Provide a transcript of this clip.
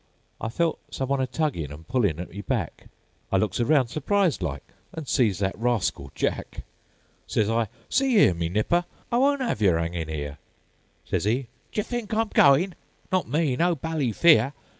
I felt some one a tuggin'An' pullin' at me back;I looks around surprised like, An' sees that rascal Jack."Sez I, 'See 'ere, me nipper,I wont 'ave yer 'angin' 'ere.'Sez 'e, 'D' yer think I 'm goin'?Not me. No bally fear.